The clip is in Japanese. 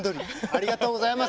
ありがとうございます。